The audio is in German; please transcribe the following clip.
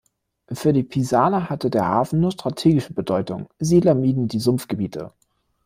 Für die Pisaner hatte der Hafen nur strategische Bedeutung; Siedler mieden die Sumpfgebiete.